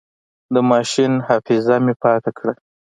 د ماشين حافظه مې پاکه کړه.